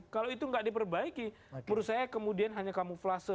kalau itu tidak diperbaiki menurut saya kemudian hanya kamuflase